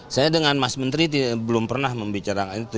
saya dengan mas menteri belum pernah membicarakan itu